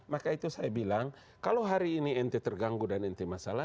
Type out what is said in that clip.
maka itu saya bilang kalau hari ini enti terganggu dan enti masalah